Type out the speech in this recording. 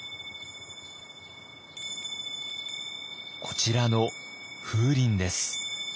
こちらの風鈴です。